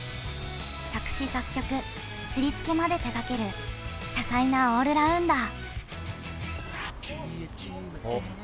作詞作曲、振り付けまで手がける多彩なオールラウンダー。